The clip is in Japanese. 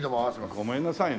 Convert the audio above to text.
ごめんなさいね。